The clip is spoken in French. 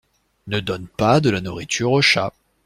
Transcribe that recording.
Ne donne pas de la nourriture au chat.